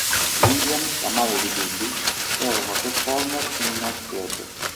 Lillian, la madre di Billie, era una performer in un nightclub.